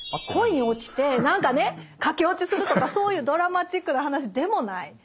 恋に落ちて何かね駆け落ちするとかそういうドラマチックな話でもない。